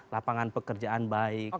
lapangan pekerjaan baik